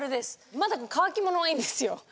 まだ乾き物はいいんですよ。